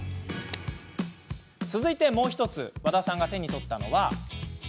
続いて、もう１つ和田さんが手に取ったのは。